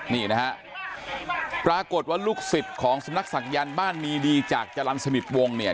นี่นะฮะปรากฏว่าลูกศิษย์ของสำนักศักยันต์บ้านมีดีจากจรรย์สนิทวงเนี่ย